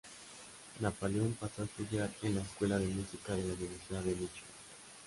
Napoleón pasó a estudiar en la escuela de música de la Universidad de Michigan.